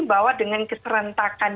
bahwa dengan keserentakan